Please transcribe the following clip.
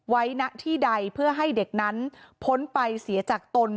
ณที่ใดเพื่อให้เด็กนั้นพ้นไปเสียจากตน